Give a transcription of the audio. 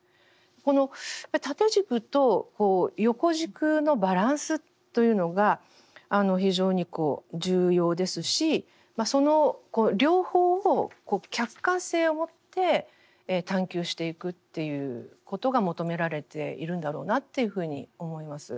この縦軸と横軸のバランスというのが非常に重要ですしその両方を客観性を持って探究していくっていうことが求められているんだろうなというふうに思います。